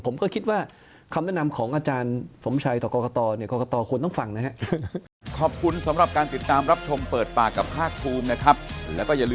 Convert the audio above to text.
ผมก็คิดว่าคำแนะนำของอาจารย์สมชัยต่อกรกตเนี่ย